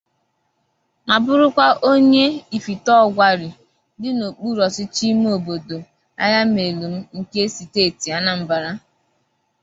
ma bụrụkwa onye Ifite-Ọgwarị dị n'okpuru ọchịchị ime obodo Ayamelum nke steeti Anambra